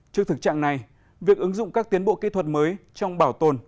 trước thực trạng này việc ứng dụng các tiến bộ kỹ thuật mới trong bảo tồn